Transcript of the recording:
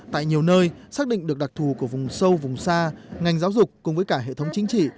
tại nhiều nơi xác định được đặc thù của vùng sâu vùng xa ngành giáo dục cùng với cả hệ thống chính trị